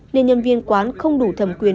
nên nhân viên quán không đủ thầm quyền